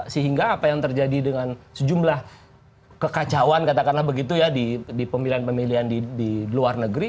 sehingga apa yang terjadi dengan sejumlah kekacauan katakanlah begitu ya di pemilihan pemilihan di luar negeri